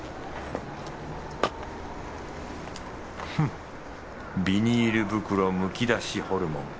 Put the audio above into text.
フッビニール袋むき出しホルモン。